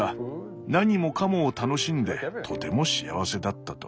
何もかもを楽しんでとても幸せだったと。